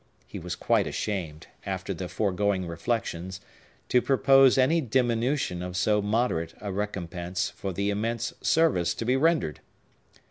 He was quite ashamed, after the foregoing reflections, to propose any diminution of so moderate a recompense for the immense service to be rendered.